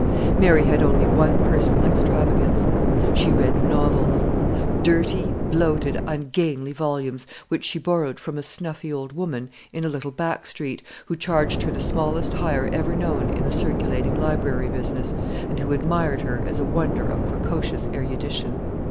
Mary had only one personal extravagance. She read novels, dirty, bloated, ungainly volumes, which she borrowed from a snuffy old woman in a little back street, who charged her the smallest hire ever known in the circulating library business, and who admired her as a wonder of precocious erudition.